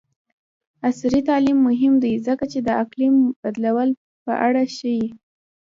عصري تعلیم مهم دی ځکه چې د اقلیم بدلون په اړه ښيي.